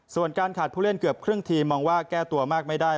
ส่วนการขาดผู้เล่นเกือบครึ่งทีมมองว่าแก้ตัวมากไม่ได้